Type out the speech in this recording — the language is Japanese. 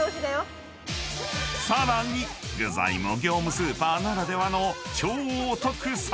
［さらに具材も業務スーパーならではの超お得サイズ］